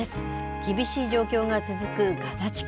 厳しい状況が続くガザ地区。